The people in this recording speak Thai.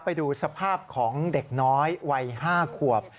ไปดูสภาพของเด็กน้อยวัย๕ขวบ